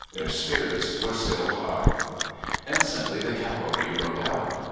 Their spirits were still high. Instantly the cavalry rode out.